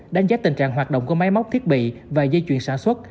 đánh giá tình trạng hoạt động của máy móc thiết bị và dây chuyển sản xuất